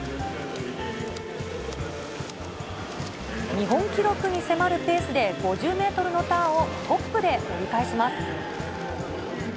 日本記録に迫るペースで５０メートルのターンをトップで折り返します。